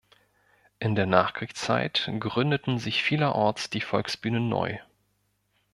In der Nachkriegszeit gründeten sich vielerorts die Volksbühnen neu.